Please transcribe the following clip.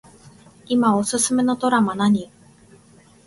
いまおすすめのドラマ何